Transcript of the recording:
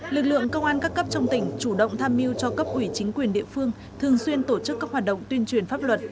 lực lượng công an các cấp trong tỉnh chủ động tham mưu cho cấp ủy chính quyền địa phương thường xuyên tổ chức các hoạt động tuyên truyền pháp luật